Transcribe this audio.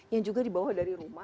yang juga dibawa dari rumah